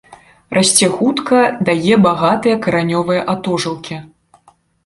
Расце хутка, дае багатыя каранёвыя атожылкі.